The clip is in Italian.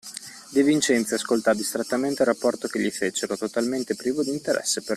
De Vincenzi ascoltò distrattamente il rapporto che gli fecero, totalmente privo d'interesse per lui.